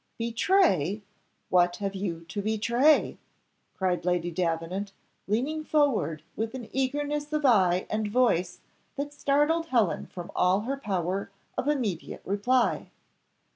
"Betray! What have you to betray?" cried Lady Davenant, leaning forward with an eagerness of eye and voice that startled Helen from all power of immediate reply.